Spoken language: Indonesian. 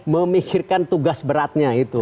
memikirkan tugas beratnya